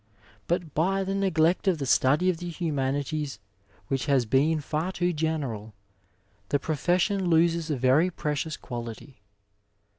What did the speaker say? But by the neglect of the study of the humanities, which has been far too general, the profession loses a very precious quality.